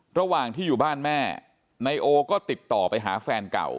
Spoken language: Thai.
ระหว่างที่อยู่บ้านแม่นายโอก็ติดต่อไปหาแฟนเก่า